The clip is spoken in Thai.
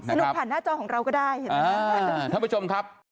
สนุกผ่านหน้าจอของเราก็ได้ท่านผู้ชมครับ